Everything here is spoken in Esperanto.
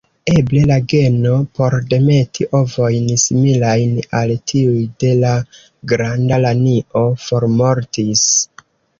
Eble la geno por demeti ovojn similajn al tiuj de la Granda lanio formortis.